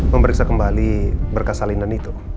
memeriksa kembali berkas salinan itu